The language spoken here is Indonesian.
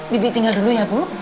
bibit tinggal dulu ya bu